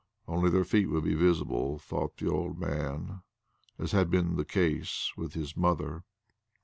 Only their feet would be visible, thought the old man, as had been the case with his mother.